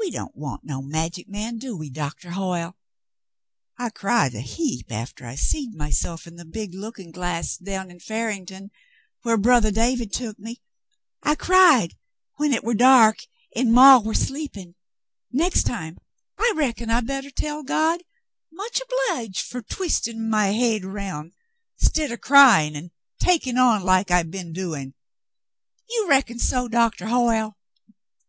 "We don't want no magic man, do we, Doctah Hoyle? I cried a heap after I seed myself in the big lookin' glass down in Farington whar brothah David took me. I cried when hit war dark an' maw war sleepin'. Next time I reckon I bettah tell God much obleeged fer twistin' my hade 'roun' 'stead er cry in' an' takin' on like I been doin'. You reckon so, Doctah Hoyle?"